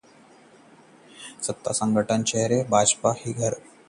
सत्ता, संगठन और चेहरे के बावजूद भाजपा की हार